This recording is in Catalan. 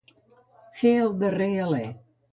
Fer el darrer alè.